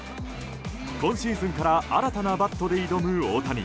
今シーズンから新たなバットで挑む大谷。